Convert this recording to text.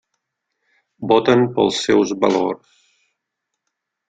Voten pels seus valors.